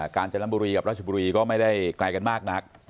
การจนบุรีกับราชบุรีก็ไม่ได้ไกลกันมากนัก